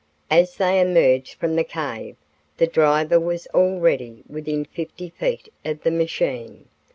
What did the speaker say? As they emerged from the cave, the driver was already within fifty feet of the machine.